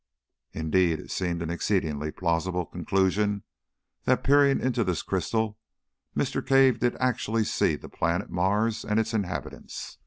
Indeed, it seems an exceedingly plausible conclusion that peering into this crystal Mr. Cave did actually see the planet Mars and its inhabitants.